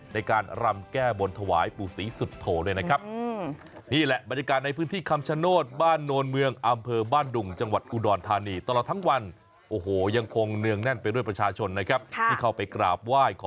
ในการรำแก้บนถวายปู่ศรีสุโธด้วยนะครับ